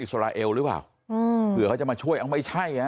สราเอลหรือเปล่าอืมเผื่อเขาจะมาช่วยเอาไม่ใช่ฮะ